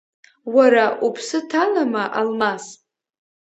Уара, уԥсы ҭалама, Алмас?!